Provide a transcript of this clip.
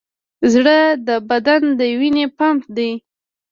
زړه د بدن د وینې پمپ دی.